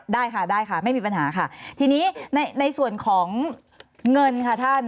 ได้ค่ะได้ค่ะไม่มีปัญหาค่ะทีนี้ในส่วนของเงินค่ะท่าน